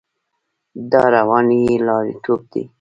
دا رواني بې لارېتوب دی.